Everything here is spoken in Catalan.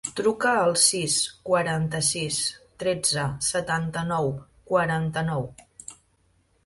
Truca al sis, quaranta-sis, tretze, setanta-nou, quaranta-nou.